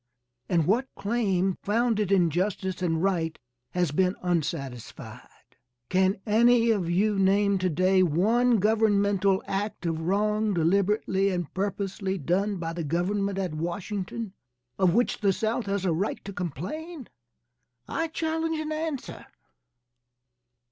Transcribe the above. And what claim founded in justice and right has been unsatisfied? Can any of you name to day one governmental act of wrong deliberately and purposely done by the government at Washington, of which the South has a right to complain? I challenge an answer.